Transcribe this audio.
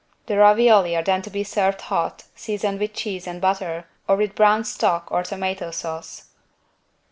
The ravioli are then to be served hot seasoned with cheese and butter or with brown stock or tomato sauce.